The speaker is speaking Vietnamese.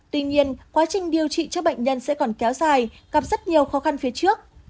tuy nhiên quá trình điều trị cho bệnh nhân sẽ còn kéo dài gặp rất nhiều khó khăn phía trước